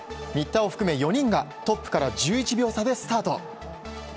新田を含め４人がトップから１１秒差でスタート。